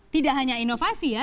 tidak hanya inovasi ya